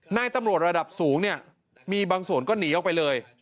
นายตำรวจระดับสูงเนี่ยมีบางส่วนก็หนีออกไปเลย